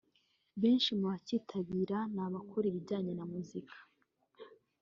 Benshi mu bacyitabiriye ni abakora ibijyanye na muzika